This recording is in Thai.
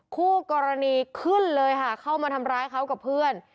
คู่กรณีขึ้นเลยค่ะเข้ามาทำร้ายเขากับเพื่อน